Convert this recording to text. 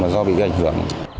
do bị ảnh hưởng